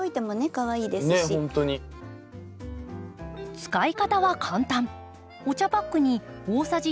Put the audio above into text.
使い方は簡単。